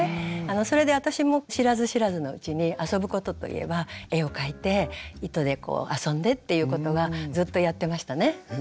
それで私も知らず知らずのうちに遊ぶことといえば絵を描いて糸で遊んでっていうことがずっとやってましたね。